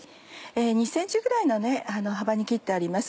２ｃｍぐらいの幅に切ってあります。